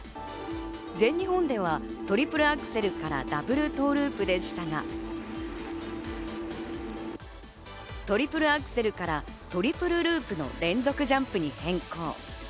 全日本ではトリプルアクセルからダブルトーループでしたが、トリプルアクセルからトリプルループの連続ジャンプに変更。